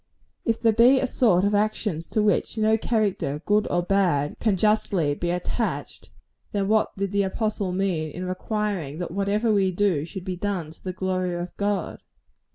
If there be a sort of actions to which no character, good or bad, can justly be attached, then what did the apostle mean in requiring that whatever we do should be done to the glory of God?